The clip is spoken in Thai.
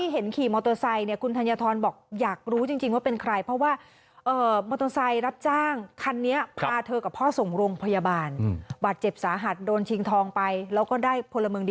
หมอก็ไปเอง